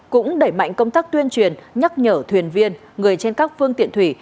cũng đẩy mạnh công tác tuyên truyền nhắc nhở thuyền viên người trên các phương tiện thủy